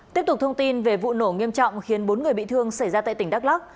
tiếp tục thông tin về vụ nổ nghiêm trọng khiến bốn người bị thương xảy ra tại tỉnh đắk lắc